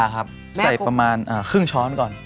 ข้าวขาวครับใส่ประมาณครึ่งช้อนก่อน